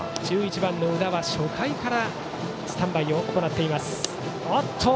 １１番の宇田は初回からスタンバイを行っています。